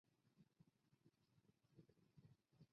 魏萨普失去了大学教职并逃离巴伐利亚。